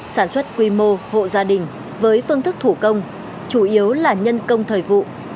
sản xuất quy mô hộ gia đình với phương thức thủ công chủ yếu là nhân công thời vụ